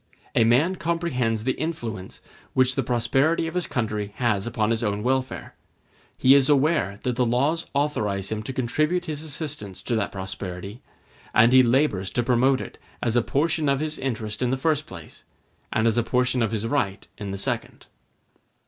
A man comprehends the influence which the prosperity of his country has upon his own welfare; he is aware that the laws authorize him to contribute his assistance to that prosperity, and he labors to promote it as a portion of his interest in the first place, and as a portion of his right in the second.